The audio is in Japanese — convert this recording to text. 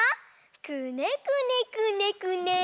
くねくねくねくね。